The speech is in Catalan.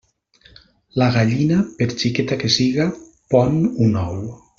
La gallina, per xiqueta que siga, pon un ou.